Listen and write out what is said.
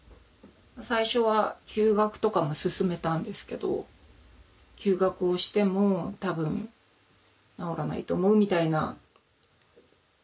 最初は休学とかも勧めたんですけど「休学をしても多分治らないと思う」みたいな。